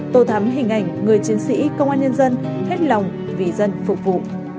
tô thắm hình ảnh người chiến sĩ công an nhân dân hết lòng vì dân phục vụ